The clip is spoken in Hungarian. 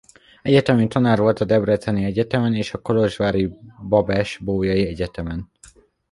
Egyetemi tanár volt a Debreceni Egyetemen és a kolozsvári Babes-Bólyai Egyetemen.